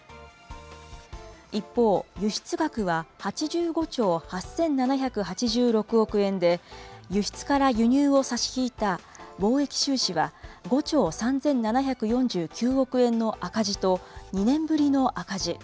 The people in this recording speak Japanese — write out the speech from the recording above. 一方、輸出額は８５兆８７８６億円で、輸出から輸入を差し引いた貿易収支は５兆３７４９億円の赤字と、２年ぶりの赤字。